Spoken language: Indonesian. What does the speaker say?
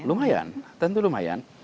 lumayan tentu lumayan